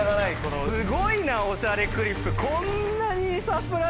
すごいな！『おしゃれクリップ』。